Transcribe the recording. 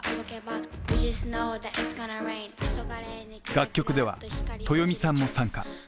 楽曲では、鳴響美さんも参加。